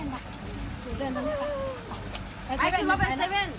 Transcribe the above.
สวัสดีครับคุณพลาด